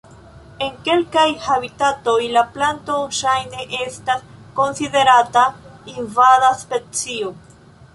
En kelkaj habitatoj la planto ŝajne estas konsiderata invada specio.